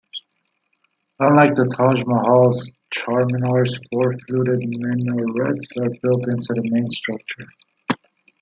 Unlike the Taj Mahal's, Charminar's four fluted minarets are built into the main structure.